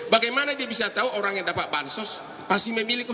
bagaimana dia bisa tahu orang yang dapat bansos pasti memilih